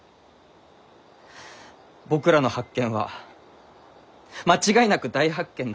僕らの発見は間違いなく大発見だった。